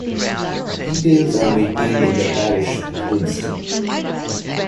Details are maintained in the parish of Winston.